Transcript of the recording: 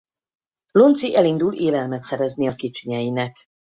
Lonci elindul élelmet szerezni a kicsinyeinek.